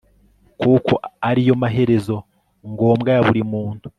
kuko ari yo maherezo ngombwa ya buri muntu